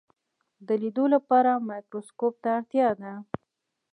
د لیدلو لپاره مایکروسکوپ ته اړتیا ده.